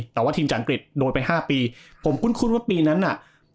แต่ว่าทีมจากอังกฤษโดนไปห้าปีผมคุ้นว่าปีนั้นน่ะ